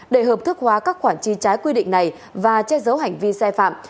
để hợp thức hóa các khoản tri trái quy định này và che giấu hành vi xe phạm